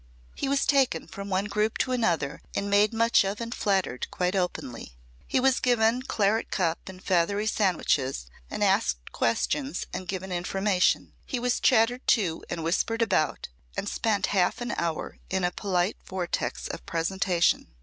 He was taken from one group to another and made much of and flattered quite openly. He was given claret cup and feathery sandwiches and asked questions and given information. He was chattered to and whispered about and spent half an hour in a polite vortex of presentation.